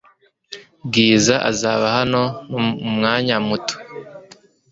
Bwiza azaba hano mumwanya muto .(Chrikaru)